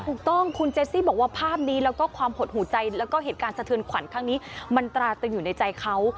ถูกต้องคุณเจซี่บอกว่าภาพนี้แล้วก็ความหดหูใจแล้วก็เหตุการณ์สะเทือนขวัญครั้งนี้มันตราตึงอยู่ในใจเขา